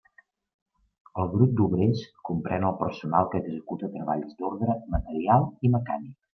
El grup d'Obrers comprèn el personal que executa treballs d'ordre material i mecànic.